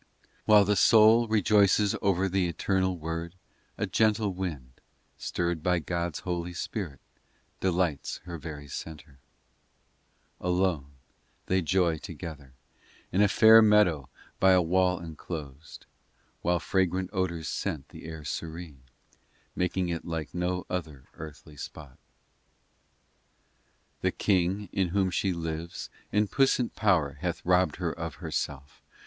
XIII While the soul Rejoices over the eternal Word, A gentle wind, Stirred by God s Holy Spirit, Delights her very centre. POEMS 301 XIV Alone they joy together In a fair meadow by a wall enclosed, While fragrant odours scent The air serene, Making it like no other earthly spot. xv The King in Whom she lives In puissant power hath robbed her of herself.